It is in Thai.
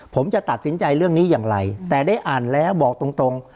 ผมจะตัดสินใจเรื่องนี้อย่างไรแต่ได้อ่านแล้วบอกตรงตรง